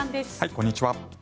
こんにちは。